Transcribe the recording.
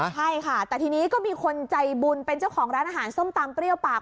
ใช่ค่ะแต่ทีนี้ก็มีคนใจบุญเป็นเจ้าของร้านอาหารส้มตำเปรี้ยวปาก